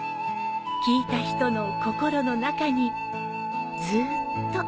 聴いた人の心の中にずーっと。